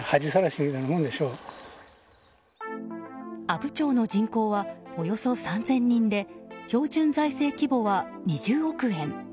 阿武町の人口はおよそ３０００人で標準財政規模は２０億円。